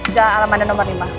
jalan alamannya nomor lima